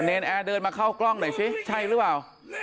แอร์เดินมาเข้ากล้องหน่อยสิใช่หรือเปล่า